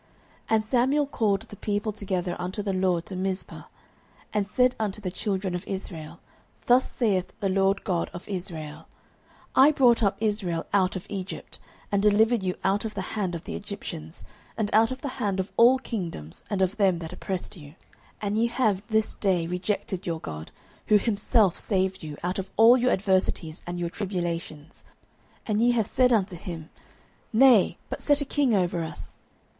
09:010:017 And Samuel called the people together unto the LORD to Mizpeh; 09:010:018 And said unto the children of Israel, Thus saith the LORD God of Israel, I brought up Israel out of Egypt, and delivered you out of the hand of the Egyptians, and out of the hand of all kingdoms, and of them that oppressed you: 09:010:019 And ye have this day rejected your God, who himself saved you out of all your adversities and your tribulations; and ye have said unto him, Nay, but set a king over us.